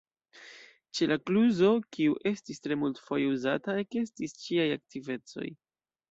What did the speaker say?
Ĉe la kluzo, kiu estis tre multfoje uzata, ekestis ĉiaj aktivecoj.